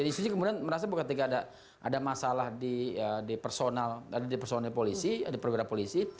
jadi institusi kemudian merasa ketika ada masalah di personal di personal polisi di program polisi